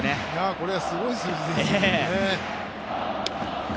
これはすごい数字ですね。